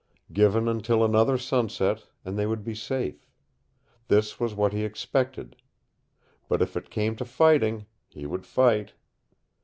Given until another sunset, and they would be safe. This was what he expected. But if it came to fighting he would fight.